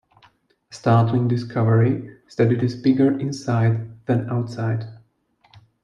A startling discovery is that it is bigger inside than outside.